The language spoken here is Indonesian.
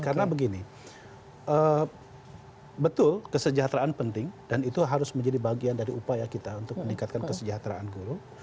karena begini betul kesejahteraan penting dan itu harus menjadi bagian dari upaya kita untuk meningkatkan kesejahteraan guru